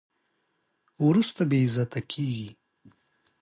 وروسته بې عزته کېږي.